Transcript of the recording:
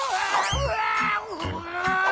うわ！